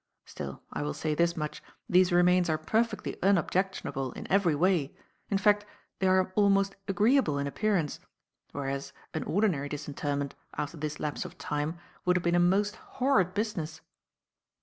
Still, I will say this much, these remains are perfectly unobjectionable in every way, in fact they are almost agreeable in appearance; whereas, an ordinary disinterment after this lapse of time would have been a most horrid business."